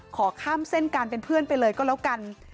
ขอข้ามเส้นการเป็นเพื่อนไปเลยก็แล้วกัน